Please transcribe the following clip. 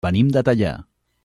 Venim de Teià.